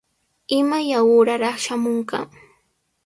¿Imaya uuraraq shamunqa?